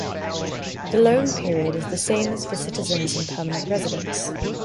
The loan period is the same as for citizens and Permanent residents.